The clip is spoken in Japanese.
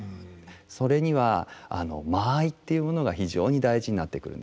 それには間合いというものが非常に大事になってくるんですね。